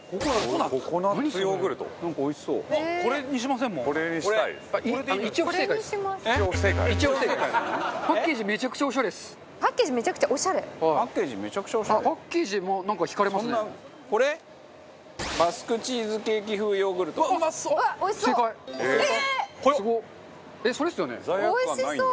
奈緒：おいしそう！